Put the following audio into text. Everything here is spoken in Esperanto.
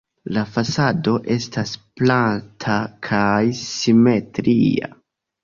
La fasado estas plata kaj simetria.